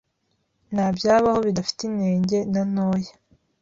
nta byabaho bidafite inenge na ntoya